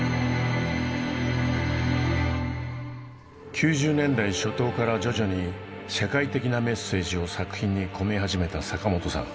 ９０年代初頭から徐々に社会的なメッセージを作品に込め始めた坂本さん。